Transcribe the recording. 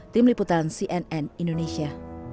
tim liputan cnn indonesia